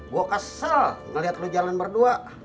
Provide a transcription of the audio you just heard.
gua kesel ngeliat lo jalan berdua